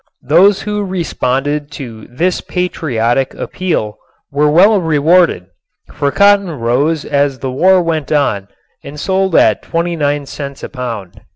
Those who responded to this patriotic appeal were well rewarded, for cotton rose as the war went on and sold at twenty nine cents a pound.